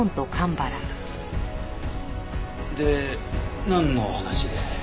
でなんの話で？